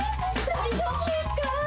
大丈夫ですか⁉」